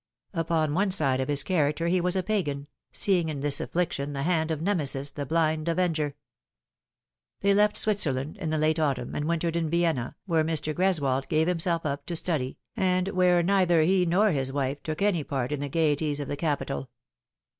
Upon one side of his character he was a Pagan, seeing in this affliction the hand of Nemesis, the blind .Avenger. They left Switzerland in the late autumn, and wintered in Vienna, where Mr. Greswold gave himself up to study, and Such Things Were. 69 where neither lie nor his wife took any part in the gaieties of the capital.